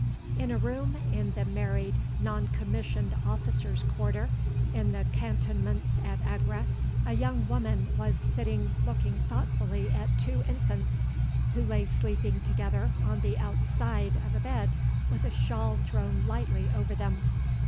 In a room in the married non commissioned officers' quarters in the cantonments at Agra, a young woman was sitting looking thoughtfully at two infants, who lay sleeping together on the outside of a bed with a shawl thrown lightly over them.